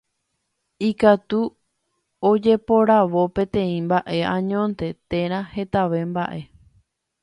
Ikatu ojeporavo peteĩ mbaʼe añónte térã hetave mbaʼe.